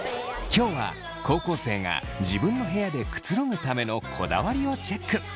今日は高校生が自分の部屋でくつろぐためのこだわりをチェック。